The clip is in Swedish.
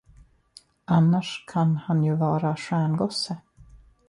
Annars kan han ju vara stjärngosse.